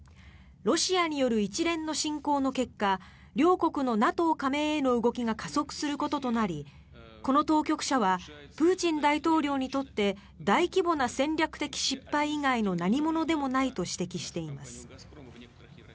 ロシアによる一連の侵攻の結果両国のＮＡＴＯ加盟への動きが加速することとなりこの当局者はプーチン大統領にとって大規模な戦略的失敗以外の何ものでもないと指摘しています。